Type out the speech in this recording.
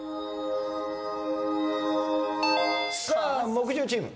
木１０チーム！